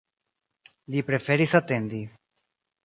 Li preferis atendi.